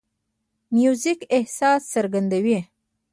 موزیک احساس څرګندوي.